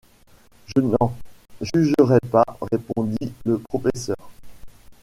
Je n’en jurerais pas, répondit le professeur.